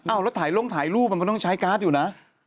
อ้าวแล้วถ่ายร่วงถ่ายรูปมันต้องใช้การ์ดอยู่นะ